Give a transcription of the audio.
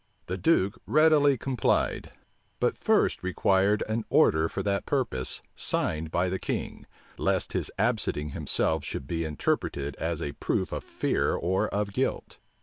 The duke readily complied; but first required an order for that purpose, signed by the king; lest his absenting himself should be interpreted as a proof of fear or of guilt.